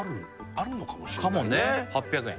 あるのかもしれないねかもね８００円